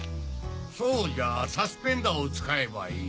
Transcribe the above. そうじゃサスペンダーを使えばいい。